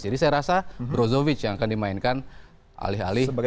jadi saya rasa brozovic yang akan dimainkan alih alih kramaric